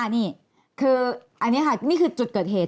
นี่คือนี่คือจุดเกิดเหตุ